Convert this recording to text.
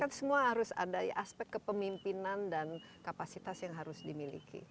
jadi ini harus ada aspek kepemimpinan dan kapasitas yang harus dimiliki